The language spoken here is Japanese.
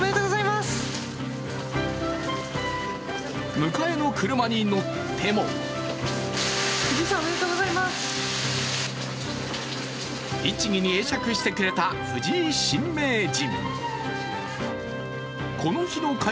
迎えの車に乗っても律儀に会釈してくれた藤井新名人。